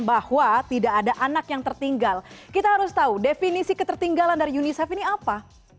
bahwa tidak ada anak yang tertinggal kita harus tahu definisi ketertinggalan dari unicef ini apa